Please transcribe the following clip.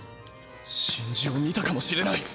真珠を見たかもしれない。